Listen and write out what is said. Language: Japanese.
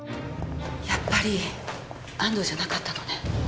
やっぱり安藤じゃなかったのね。